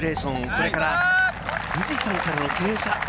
それから富士山からの傾斜。